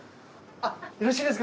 よろしいですか？